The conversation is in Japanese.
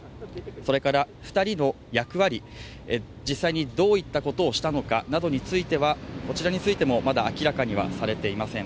それから２人の役割、実際にどういったことをしたのかなどについてはこちらについてもまだ明らかにはされていません。